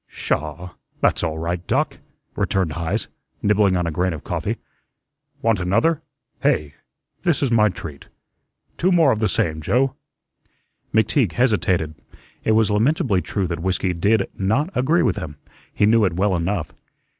"Sha! That's all right, Doc," returned Heise, nibbling on a grain of coffee. "Want another? Hey? This my treat. Two more of the same, Joe." McTeague hesitated. It was lamentably true that whiskey did not agree with him; he knew it well enough.